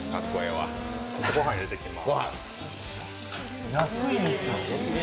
ご飯入れていきます。